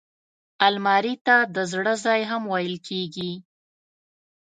الماري ته د زړه ځای هم ویل کېږي